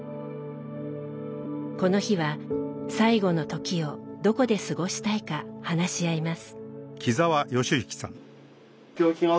この日は「最後のときをどこで過ごしたいか」話し合います。